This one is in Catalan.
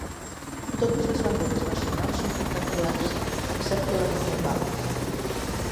Totes les banderes nacionals són rectangulars, excepte la del Nepal.